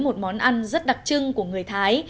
một món ăn rất đặc trưng của người thái